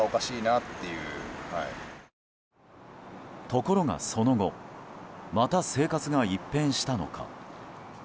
ところが、その後また生活が一変したのか。